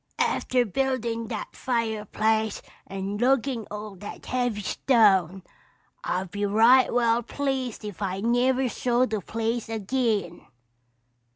"After buildin' that fireplace and luggin' all that heavy stone, I'd be right well pleased if I never saw the place agin."